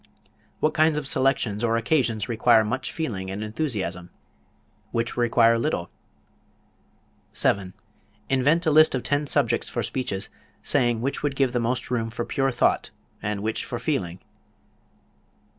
What kinds of selections or occasions require much feeling and enthusiasm? Which require little? 7. Invent a list of ten subjects for speeches, saying which would give most room for pure thought and which for feeling.